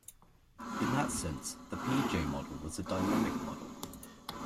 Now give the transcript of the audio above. In that sense, the P-J model was a dynamic model.